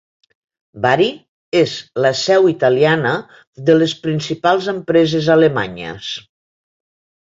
Bari és la seu italiana de les principals empreses alemanyes.